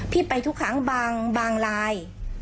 พี่ไปทุกครั้งบางบางลาย